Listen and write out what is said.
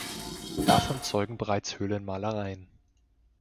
Davon zeugen bereits Höhlenmalereien.